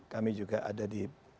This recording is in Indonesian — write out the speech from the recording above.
kami juga ada di